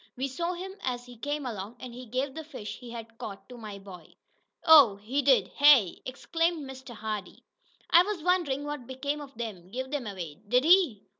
We saw him as he came along, and he gave the fish he had caught to my boy." "Oh, he did, hey?" exclaimed Mr. Hardee. "I was wonderin' what become of 'em. Give 'em away, did he?